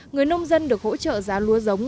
người nông dân được hỗ trợ giá lúa giống